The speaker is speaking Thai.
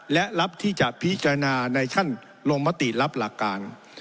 และรับที่จะพิจารณาในชั้นลงมติรับหลักการ